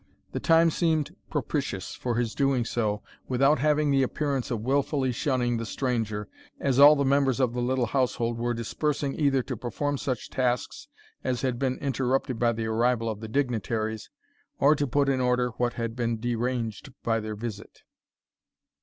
The time seemed propitious for his doing so without having the appearance of wilfully shunning the stranger, as all the members of the little household were dispersing either to perform such tasks as had been interrupted by the arrival of the dignitaries, or to put in order what had been deranged by their visit.